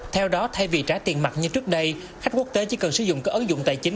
theo đó thay vì trả tiền mặt như trước đây khách quốc tế chỉ cần sử dụng các ứng dụng tài chính